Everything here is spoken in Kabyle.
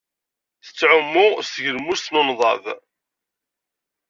Tettɛumu s tgelmust n unḍab.